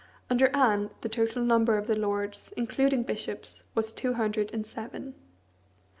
Under Anne the total number of the lords, including bishops, was two hundred and seven.